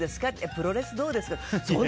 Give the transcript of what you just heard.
プロレスどうですか？